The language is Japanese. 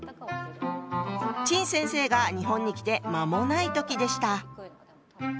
陳先生が日本に来て間もない時でした。